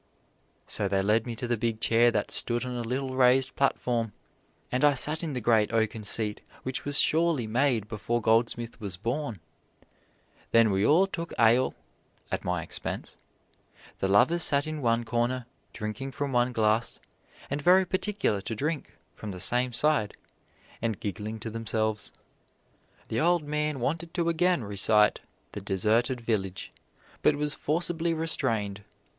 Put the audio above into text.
So they led me to the big chair that stood on a little raised platform, and I sat in the great oaken seat which was surely made before Goldsmith was born. Then we all took ale (at my expense). The lovers sat in one corner, drinking from one glass, and very particular to drink from the same side, and giggling to themselves. The old man wanted to again recite "The Deserted Village," but was forcibly restrained.